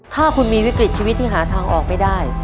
ถ้าคุณมีวิกฤตชีวิตที่หาทางออกไม่ได้